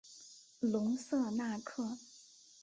隆瑟纳克。